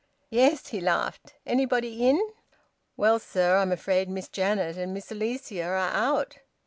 "Yes," he laughed. "Anybody in?" "Well, sir, I'm afraid Miss Janet and Miss Alicia are out."